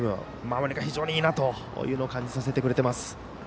守りが非常にいいなというのを感じさせてくれています。